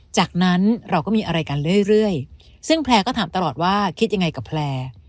จากนั้นเราก็มีอะไรกันเรื่อยซึ่งแพลร์ก็ถามตลอดว่าคิดยังไงกับแพลร์